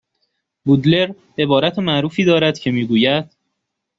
بودلر عبارت معروفی دارد که میگوید